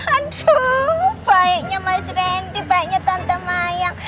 aduh baiknya mas randy baiknya tante mayang